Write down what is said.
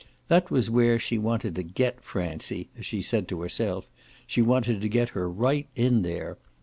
That was where she wanted to "get" Francie, as she said to herself; she wanted to get her right in there.